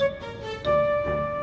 kamu mau ke rumah